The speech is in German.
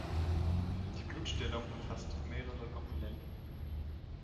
Die Blutstillung umfasst mehrere Komponenten.